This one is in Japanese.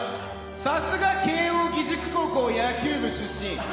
さすが、慶應義塾高校野球部出身。